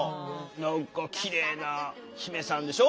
何かきれいな姫さんでしょ？